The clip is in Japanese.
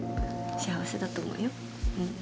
幸せだと思うよ。